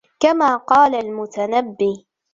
كَمَا قَالَ الْمُتَنَبِّي